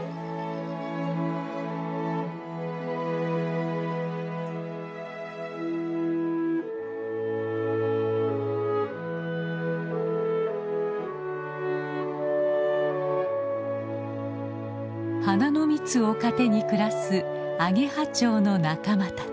花の蜜を糧に暮らすアゲハチョウの仲間たち。